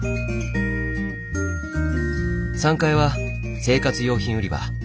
３階は生活用品売り場。